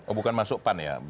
oh bukan masuk pan ya